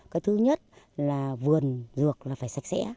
cái thứ nhất là vườn dược là phải sạch sẽ